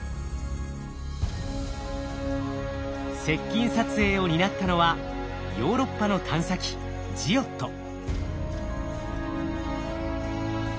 接近撮影を担ったのはヨーロッパの探査機ジオット。